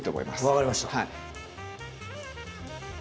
分かりました。